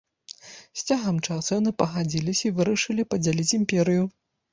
З цягам часу, яны пагадзіліся і вырашылі падзяліць імперыю.